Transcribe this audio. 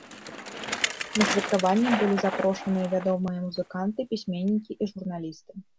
На святкаванне былі запрошаныя вядомыя музыканты, пісьменнікі і журналісты.